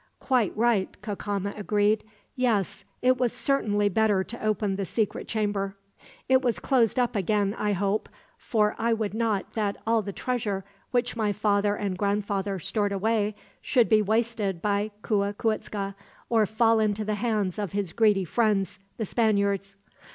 "Quite right," Cacama agreed. "Yes, it was certainly better to open the secret chamber. It was closed up again, I hope; for I would not that all the treasure which my father and grandfather stored away should be wasted by Cuicuitzca, or fall into the hands of his greedy friends, the Spaniards."